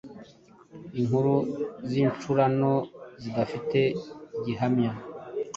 inkuru z’incurano zidafite gihamya